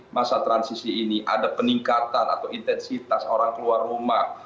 masa transisi ini ada peningkatan atau intensitas orang keluar rumah